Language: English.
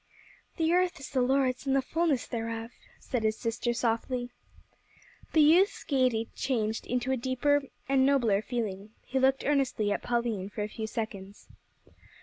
"`The earth is the Lord's, and the fulness thereof,'" said his sister, softly. The youth's gaiety changed into a deeper and nobler feeling. He looked earnestly at Pauline for a few seconds.